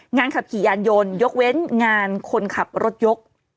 งานขับขี่ยานยนต์ยกเว้นงานคนขับรถยก